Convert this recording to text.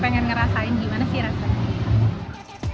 pengen ngerasain gimana sih rasanya